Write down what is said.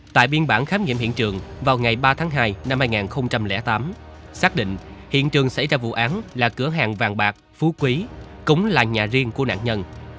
tại biên bản khám nghiệm hiện trường vào ngày ba tháng hai năm hai nghìn tám xác định hiện trường xảy ra vụ án là cửa hàng vàng bạc phú quý cũng là nhà riêng của nạn nhân